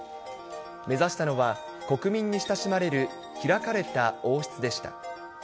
目指したのは、国民に親しまれる開かれた王室でした。